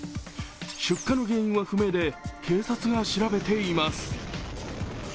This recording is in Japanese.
出火の原因は不明で警察が調べています。